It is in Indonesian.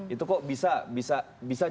itu kok bisa jauh